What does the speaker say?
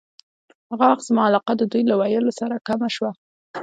هغه وخت زما علاقه د دوی له ویلو سره کمه شوه.